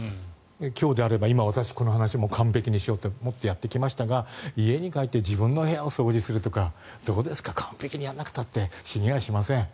今日であれば今、私この話を完璧にしようと思ってやってきましたが家に帰って自分の部屋を掃除するとかどうですか完璧にやらなくたって死にはしません。